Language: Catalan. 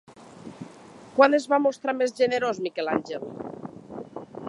Quan es va mostrar més generós Miquel Àngel?